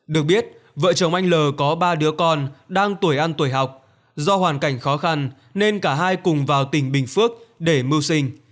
được biết vợ chồng anh l có ba đứa con đang tuổi ăn tuổi học do hoàn cảnh khó khăn nên cả hai cùng vào tỉnh bình phước để mưu sinh